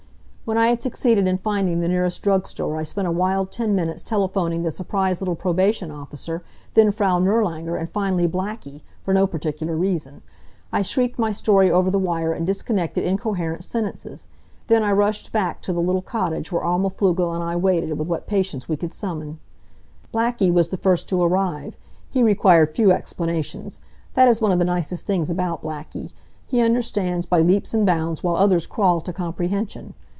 When I had succeeded in finding the nearest drug store I spent a wild ten minutes telephoning the surprised little probation officer, then Frau Nirlanger, and finally Blackie, for no particular reason. I shrieked my story over the wire in disconnected, incoherent sentences. Then I rushed back to the little cottage where Alma Pflugel and I waited with what patience we could summon. Blackie was the first to arrive. He required few explanations. That is one of the nicest things about Blackie. He understands by leaps and bounds, while others crawl to comprehension.